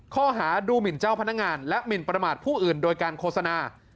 ข้อหาดูหมินเจ้าพนักงานและหมินประมาทผู้อื่นโดยการโฆษณา